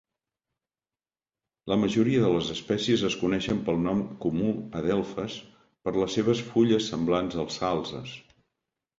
La majoria de les espècies es coneixen pel nom comú adelfes per les seves fulles semblants als salzes.